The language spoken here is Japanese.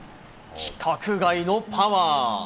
規格外のパワー。